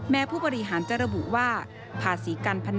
ผู้บริหารจะระบุว่าภาษีการพนัน